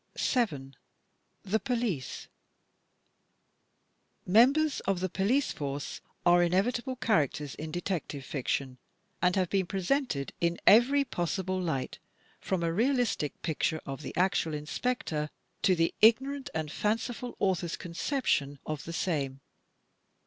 7. The Police Members of the police force are inevitable characters in Detective Fiction and have been presented in every possible light from a realistic picture of the actual Inspector to the ignorant and fanciful author's conception of the same.